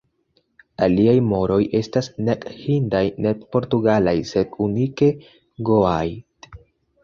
Aliaj moroj estas nek hindaj nek portugalaj, sed unike goaaj.